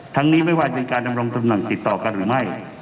นี้ไม่ว่าเป็นการดำรงตำแหน่งติดต่อกันหรือไม่